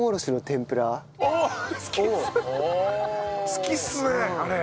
好きっすねあれ。